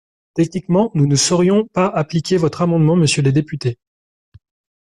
Techniquement, nous ne saurions pas appliquer votre amendement, monsieur le député.